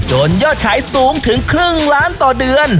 ยอดขายสูงถึงครึ่งล้านต่อเดือน